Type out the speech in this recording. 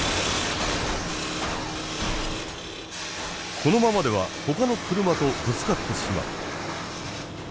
このままではほかの車とぶつかってしまう。